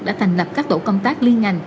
đã thành lập các tổ công tác liên ngành